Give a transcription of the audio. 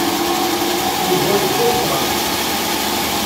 Yuba yebḍa d Mary.